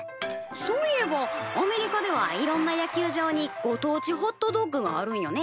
そういえばアメリカではいろんな野球場にご当地ホットドッグがあるんよね？